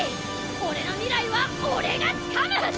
俺の未来は俺が掴む！